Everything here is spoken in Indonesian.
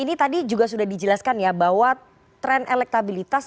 ini tadi juga sudah dijelaskan ya bahwa tren elektabilitas